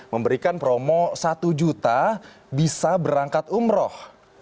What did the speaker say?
memberikan promo satu juta bisa berangkat umroh